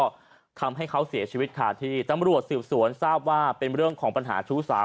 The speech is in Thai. ก็ทำให้เขาเสียชีวิตขาดที่ตำรวจสืบสวนทราบว่าเป็นเรื่องของปัญหาชู้สาว